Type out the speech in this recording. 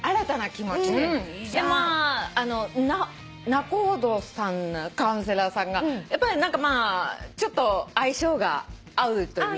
仲人さんカウンセラーさんがやっぱり何かちょっと相性が合うというかね。